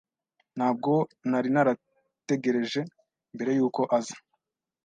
Ntabwo nari narategereje mbere yuko aza.